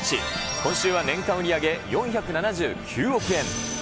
今週は年間売り上げ４７９億円。